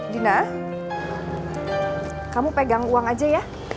dina kamu pegang uang aja ya